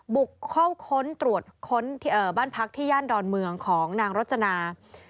บุกเข้าค้นตรวจค้นบ้านพักที่ย่านดอนเมืองของนางรจนา